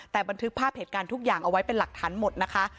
แต่บันทึกภาพเหตุการณ์ทุกอย่างเอาไว้เป็นหลักฐานหมดนะคะ